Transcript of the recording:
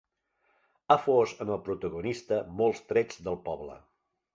Ha fos en el protagonista molts trets del poble.